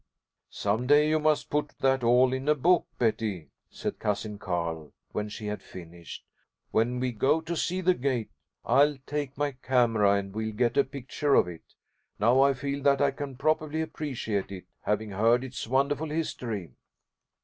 "Some day you must put that all in a book, Betty," said Cousin Carl, when she had finished. "When we go to see the gate, I'll take my camera, and we'll get a picture of it. Now I feel that I can properly appreciate it, having heard its wonderful history."